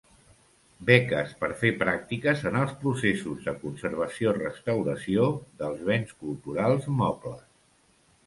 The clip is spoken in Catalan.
Beques per fer pràctiques en els processos de conservació-restauració dels béns culturals mobles.